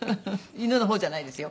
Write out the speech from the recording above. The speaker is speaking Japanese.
犬の方じゃないですよ。